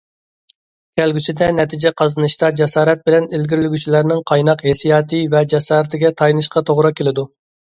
كەلگۈسىدە نەتىجە قازىنىشتا جاسارەت بىلەن ئىلگىرىلىگۈچىلەرنىڭ قايناق ھېسسىياتى ۋە جاسارىتىگە تايىنىشقا توغرا كېلىدۇ.